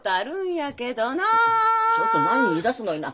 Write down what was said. ちょっと何言いだすのいな。